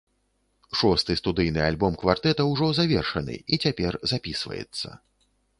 Шосты студыйны альбом квартэта ўжо завершаны і цяпер запісваецца.